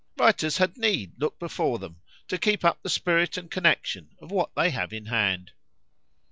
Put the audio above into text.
——Writers had need look before them, to keep up the spirit and connection of what they have in hand.